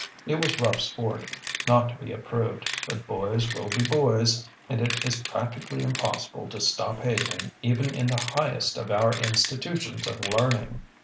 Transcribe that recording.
It was rough sport, not to be approved, but "boys will be boys," and it is practically impossible to stop hazing even in the highest of our institutions of learning.